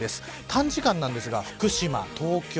短時間なんですが、福島、東京。